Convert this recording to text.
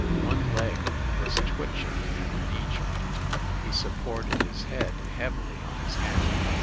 One leg was twitching at the knee joint. He supported his head heavily on his hand.